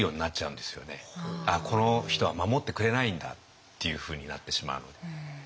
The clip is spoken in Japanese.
あっこの人は守ってくれないんだっていうふうになってしまうので。